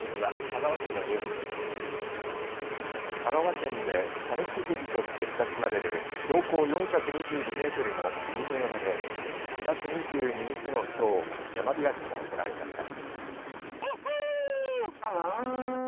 香川県で讃岐富士として親しまれる標高４２２メートルの飯野山で４月２２日のきょう山開きが行われました。